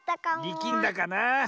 りきんだかな。